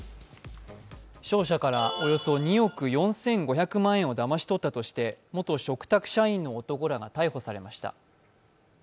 商社からおよそ２億４５００万円をだまし取ったとして元嘱託社員の男らが逮捕されました。